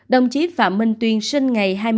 đồng chí phạm minh tuyên sinh ngày hai mươi